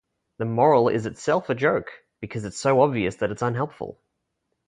The moral is itself a joke, because it's so obvious that it's unhelpful.